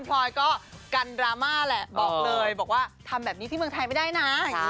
พลอยก็กันดราม่าแหละบอกเลยบอกว่าทำแบบนี้ที่เมืองไทยไม่ได้นะ